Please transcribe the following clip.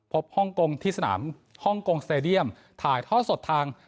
ฮ่องกงที่สนามฮ่องกงสเตดียมถ่ายทอดสดทาง